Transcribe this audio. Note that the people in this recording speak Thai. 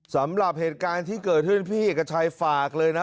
สำหรับเหตุการณ์ที่เกิดขึ้นพี่เอกชัยฝากเลยนะ